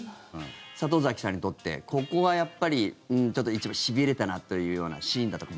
里崎さんにとってここはやっぱり一番しびれたなというようなシーンだとか。